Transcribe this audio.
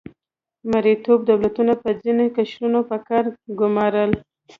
مرئیتوب دولتونو به ځینې قشرونه په کار ګمارل.